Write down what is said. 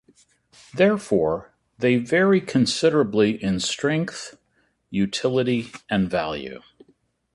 Therefore, they vary considerably in strength, utility, and value.